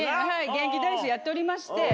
元気大使をやっておりまして。